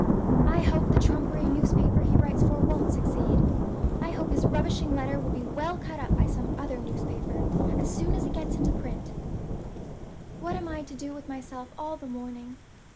I hope the trumpery newspaper he writes for won't succeed! I hope his rubbishing letter will be well cut up by some other newspaper as soon as it gets into print! "What am I to do with myself all the morning?